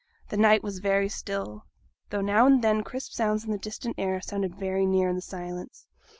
The night was very still, though now and then crisp sounds in the distant air sounded very near in the silence.